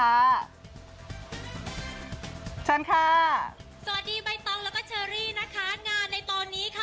สวัสดีค่ะสวัสดีใบตองแล้วก็เชอรี่นะคะงานในตอนนี้ค่ะ